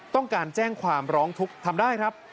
ต้องการแจ้งความร้องทุกข์ทำได้ครับ